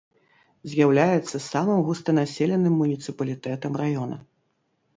З'яўляецца самым густанаселеным муніцыпалітэтам раёна.